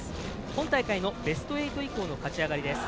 今大会のベスト８以降の勝ち上がりです。